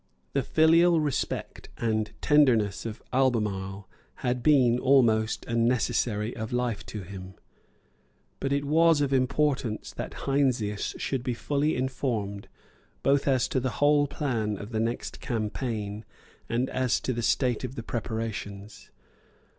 The filial respect and tenderness of Albemarle had been almost a necessary of life to him. But it was of importance that Heinsius should be fully informed both as to the whole plan of the next campaign and as to the state of the preparations.